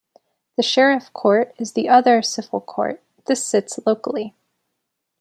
The Sheriff Court is the other civil court; this sits locally.